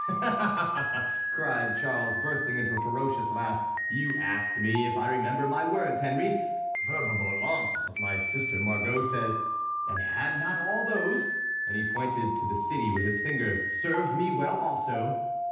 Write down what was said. "Ha! ha! ha!" cried Charles, bursting into a ferocious laugh; "you ask me if I remember my words, Henry! 'Verba volant,' as my sister Margot says; and had not all those"—and he pointed to the city with his finger—"served me well, also?